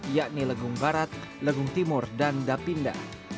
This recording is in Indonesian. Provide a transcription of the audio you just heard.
yakni legung barat legung timur dan dapinda